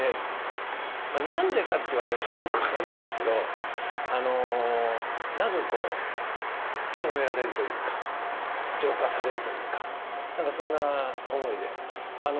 なんでかと言われるとよく分からないんですけど、なんか清められるというか、浄化されるというか、そんな思いで。